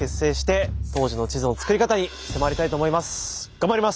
頑張ります！